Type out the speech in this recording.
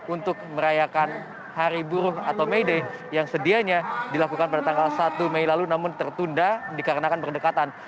untuk merayakan hari buruh atau may day yang sedianya dilakukan pada tanggal satu mei lalu namun tertunda dikarenakan berdekatan